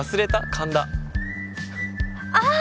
神田ああ